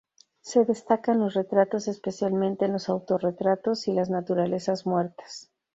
Se destaca en los retratos, especialmente, en los autorretratos, y las naturalezas muertas.